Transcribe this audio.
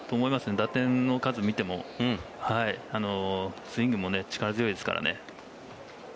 打点の数を見てもスイングも力強いですからね。